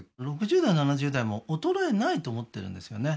６０代７０代も衰えないと思ってるんですよね